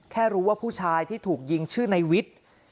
รู้ว่าผู้ชายที่ถูกยิงชื่อในวิทย์